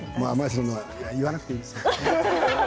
そんな言わなくていいんです。